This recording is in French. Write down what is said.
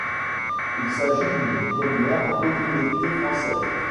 Il s’agit d’une première en Communauté française.